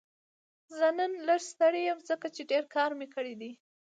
زه نن لږ ستړی یم ځکه چې ډېر کار مې کړی دی